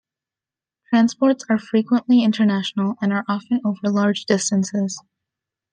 Transports are frequently international, and are often over large distances.